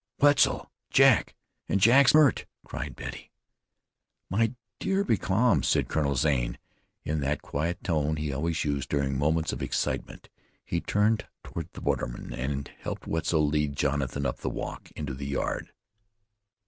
"Wetzel! Jack! and Jack's hurt!" cried Betty. "My dear, be calm," said Colonel Zane, in that quiet tone he always used during moments of excitement. He turned toward the bordermen, and helped Wetzel lead Jonathan up the walk into the yard.